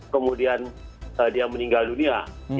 kemudian dia meninggal dunia